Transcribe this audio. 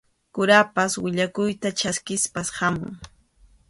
Kurapas willakuyta chaskispas hamun.